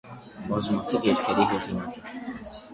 Բազմաթիվ երգերի հեղինակ է։